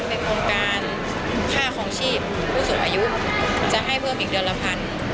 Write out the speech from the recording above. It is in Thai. ในโครงการค่าคลองชีพผู้สูงอายุจะให้เพิ่มอีกเดือนละพัน